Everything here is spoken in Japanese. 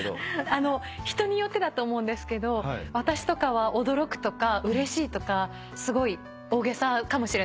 あの人によってだと思うんですけど私とかは驚くとかうれしいとかすごい大げさかもしれないです。